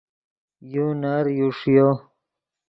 یو نر یو ݰیو